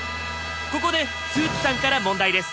ここでスーツさんから問題です。